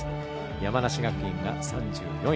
山梨学院が３４位。